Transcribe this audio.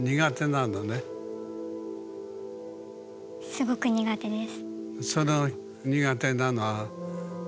すごく苦手です。